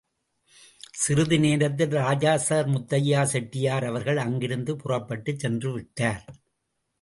சிறிது நேரத்தில் ராஜா சர் முத்தையா செட்டியார் அவர்கள் அங்கிருந்து புறப்பட்டுச் சென்றுவிட்டார்.